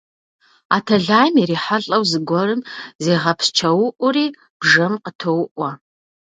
А тэлайм ирихьэлӏэу зыгуэрым зегъэпсчэуӏури бжэм къытоуӏуэ.